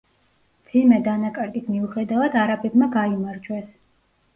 მძიმე დანაკარგის მიუხედავად არაბებმა გაიმარჯვეს.